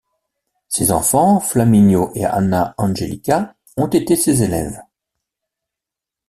Ses enfants Flaminio et Anna Angelica ont été ses élèves.